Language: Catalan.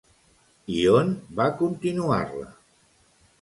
I on va continuar-la?